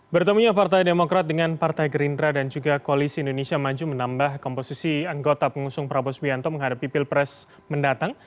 bertemunya partai demokrat dengan partai gerindra dan juga koalisi indonesia maju menambah komposisi anggota pengusung prabowo sbianto menghadapi pilpres mendatang